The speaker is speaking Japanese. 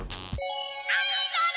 アイドル！